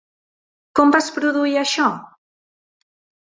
Com vas produir això?